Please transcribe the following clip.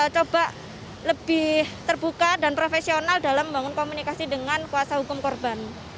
coba lebih terbuka dan profesional dalam membangun komunikasi dengan kuasa hukum korban